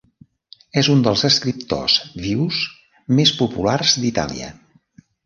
És un dels escriptors vius més populars d'Itàlia.